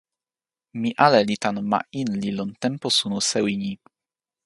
mi ale li tan ma Inli lon tenpo suno sewi ni.